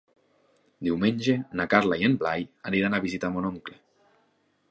Diumenge na Carla i en Blai aniran a visitar mon oncle.